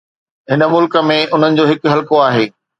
هن ملڪ ۾ انهن جو هڪ حلقو آهي.